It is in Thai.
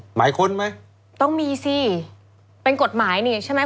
หมายค้นไหมต้องมีสิเป็นกฎหมายนี่ใช่ไหม